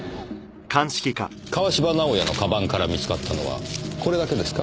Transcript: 川芝直哉のカバンから見つかったのはこれだけですか？